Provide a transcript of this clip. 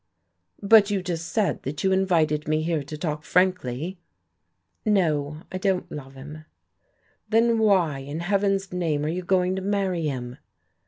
"But you just said that you invited me here to talk frankly." "No, I don't love him." "Then why, in heaven's name, are you going to marry him?"